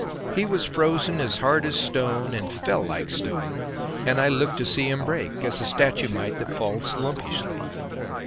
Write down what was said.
He was frozen as hard as stone and fell like stone, and I looked to see him break, as a statue might that falls lumpishly.